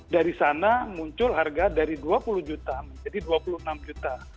dari sana muncul harga dari dua puluh juta menjadi dua puluh enam juta